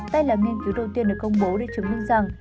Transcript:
đây là nghiên cứu đầu tiên được công bố để chứng minh rằng